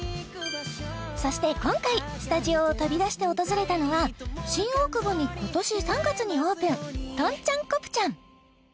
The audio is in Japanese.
そして今回スタジオを飛び出して訪れたのは新大久保に今年３月にオープンとんちゃんコプチャン